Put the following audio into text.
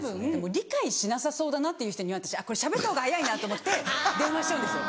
理解しなさそうだなっていう人には私あっこれしゃべったほうが早いなと思って電話しちゃうんですよ。